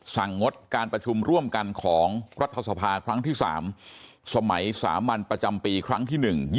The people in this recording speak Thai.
งดการประชุมร่วมกันของรัฐสภาครั้งที่๓สมัยสามัญประจำปีครั้งที่๑๒